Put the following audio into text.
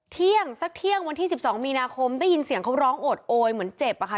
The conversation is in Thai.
เที่ยงสักเที่ยงวันที่๑๒มีนาคมได้ยินเสียงเขาร้องโอดโอยเหมือนเจ็บอะค่ะ